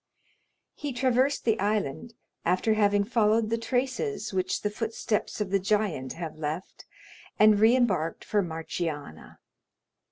He traversed the island, after having followed the traces which the footsteps of the giant have left, and re embarked for Marciana.